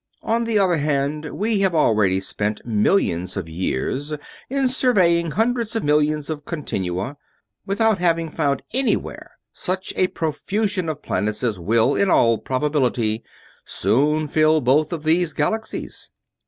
On the other, we have already spent millions of years in surveying hundreds of millions of continua, without having found anywhere such a profusion of planets as will, in all probability, soon fill both of these galaxies.